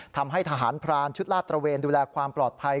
ทำให้ทหารพรานชุดลาดตระเวนดูแลความปลอดภัย